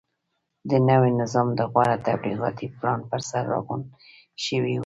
د نوي نظام د غوره تبلیغاتي پلان پرسر راغونډ شوي وو.